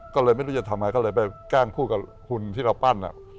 ก็เลยไม่รู้จะทำไงก็เลยไปแกล้งคู่กับหุ่นที่เราปั้น